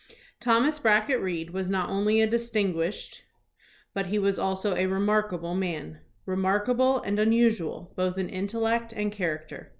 Thomas Brackett Reed was not only a distin guished, but he was also a remarkable man — remark able and unusual both in intellect and character.